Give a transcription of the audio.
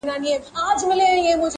مړی ئې غيم، زه خپل ياسين پر تېزوم.